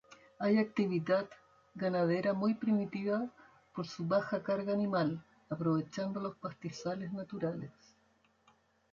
Hay actividad ganadera muy primitiva por su "baja carga animal", aprovechando los pastizales naturales.